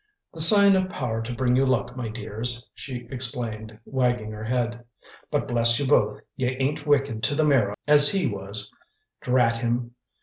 "The sign of power to bring you luck, my dears," she explained, wagging her head. "But, bless you both, you ain't wicked to the marrow as he was, drat him!